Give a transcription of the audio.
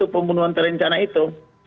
pembunuhan berencana itu